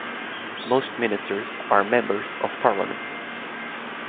Most ministers are members of Parliament.